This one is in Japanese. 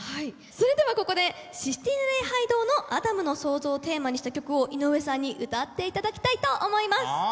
それではここでシスティーナ礼拝堂の「アダムの創造」をテーマにした曲を井上さんに歌っていただきたいと思います。